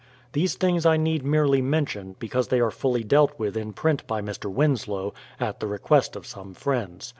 These things I need merely mention, because they are fully dealt with in print by Mr. Winslow, at the request of some friends.